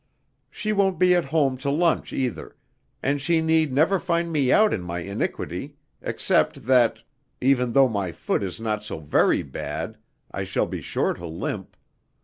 She won't be at home to lunch either, and she need never find me out in my iniquity, except that even though my foot is not so very bad I shall be sure to limp.